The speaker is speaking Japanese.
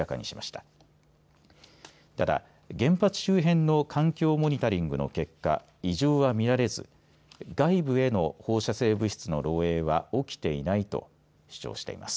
ただ、原発周辺の環境モニタリングの結果異常は見られず外部への放射性物質の漏えいは起きていないと主張しています。